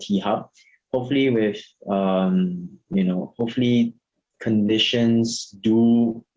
kita sedang berkembang untuk membangun kripto hub